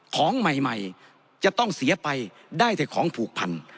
ของใหม่จะต้องเสียไปได้แต่ของผูกพัน